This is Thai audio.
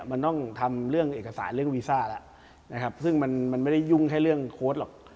มันต้องทำเรื่องเอกสารเรื่องวีซ่าแล้วนะครับซึ่งมันไม่ได้ยุ่งแค่เรื่องโค้ดหรอก